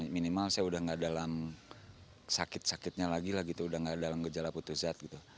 minimal saya sudah tidak dalam sakit sakitnya lagi lah gitu sudah tidak dalam gejala putus zat gitu